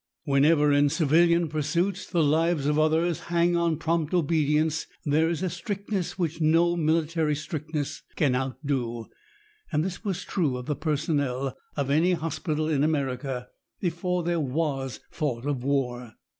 Wherever, in civilian pursuits, the lives of others hang on prompt obedience, there is a strictness which no military strictness can outdo. This was true of the personnel of any hospital in America, before there was thought of war.